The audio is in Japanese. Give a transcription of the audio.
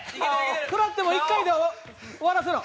食らっても１回で終わらせろ。